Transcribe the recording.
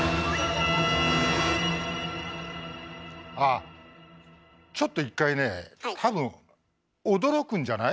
ああちょっと一回ね多分驚くんじゃない？